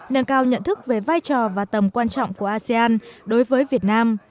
nâng cao nhận thức về vai trò và tầm quan trọng của asean đối với việt nam